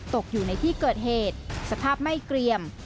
ตกอยู่ในที่เกิดเหตุสภาพไม่เกรียม